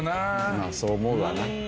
まあそう思うわな。